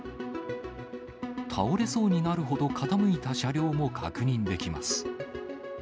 倒れそうになるほど傾いた車両も確認できます。